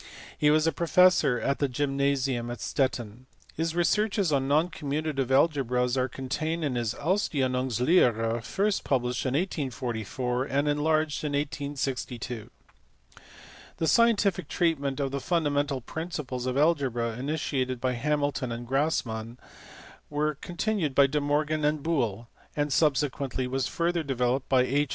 He was professor at the gymnasium at Stettin. His researches on non commutative algebras are contained in his Ausdehnungslehre, first published in 1844 and enlarged in 1862. The scientific treatment of the fundamental principles of algebra initiated by Hamilton and Grassman, was con tinued by De Morgan and Boole, and subsequently was further developed by H.